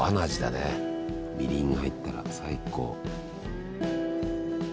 みりんが入ったら最高。